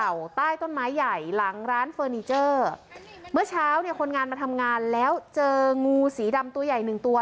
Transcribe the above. ใต้ต้นไม้ใหญ่หลังร้านเฟอร์นิเจอร์เมื่อเช้าเนี่ยคนงานมาทำงานแล้วเจองูสีดำตัวใหญ่หนึ่งตัว